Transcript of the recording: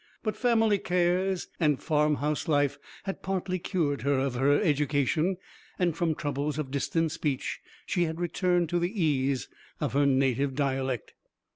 But family cares and farm house life had partly cured her of her education, and from troubles of distant speech she had returned to the ease of her native dialect.